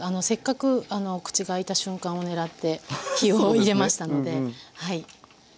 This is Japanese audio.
せっかく口が開いた瞬間を狙って火を入れましたので。